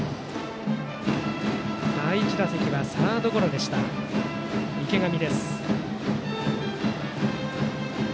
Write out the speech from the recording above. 第１打席はサードゴロのバッター、池上。